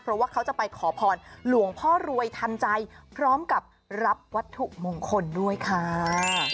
เพราะว่าเขาจะไปขอพรหลวงพ่อรวยทันใจพร้อมกับรับวัตถุมงคลด้วยค่ะ